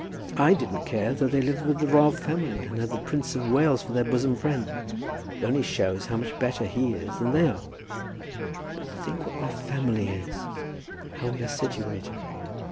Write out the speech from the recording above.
"I didn't care though they lived with the royal family, and had the Prince of Wales for their bosom friend. It only shows how much better he is than they are." "But think what my family is, how we are situated.